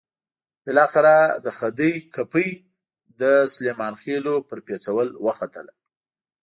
بالاخره د خدۍ کپۍ د سلیمان خېلو پر پېڅول وختله.